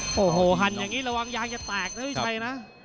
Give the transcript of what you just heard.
โอ้โหหันอย่างนี้ระวังยางจะแตกไม่ใช่นะ